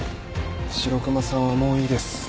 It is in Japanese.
白熊さんはもういいです。